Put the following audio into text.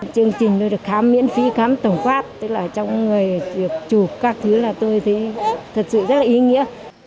chương trình tôi được khám miễn phí khám tổng quát tức là trong người chụp các thứ là tôi thấy thật sự rất là ý nghĩa